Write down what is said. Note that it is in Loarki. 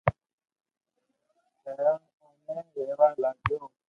ھينرن او مي رھيوا لاگيو